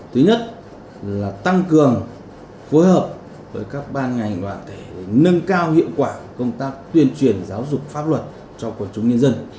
thứ nhất là tăng cường phối hợp với các ban ngành đoàn thể nâng cao hiệu quả công tác tuyên truyền giáo dục pháp luật cho quần chúng nhân dân